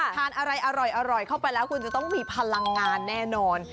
ทานอะไรอร่อยเข้าไปแล้วคุณจะต้องมีพลังงานแน่นอน